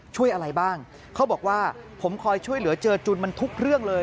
ช่วยอะไรบ้างเขาบอกว่าผมคอยช่วยเหลือเจอจุนมันทุกเรื่องเลย